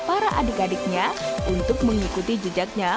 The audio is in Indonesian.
para adik adiknya untuk mengikuti jejaknya